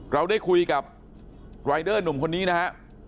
เราได้คุยกับรายเดอร์หนุ่มคนนี้นะฮะ